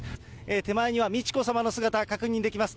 手前には美智子さまの姿が確認できます。